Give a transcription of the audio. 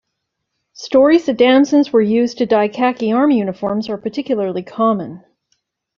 Stories that damsons were used to dye khaki army uniforms are particularly common.